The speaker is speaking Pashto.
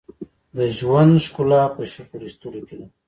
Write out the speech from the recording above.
• د ژوند ښکلا په شکر ایستلو کې ده.